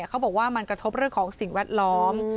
เขาบอกว่ามันกระทบเรื่องของสิ่งแวดล้อม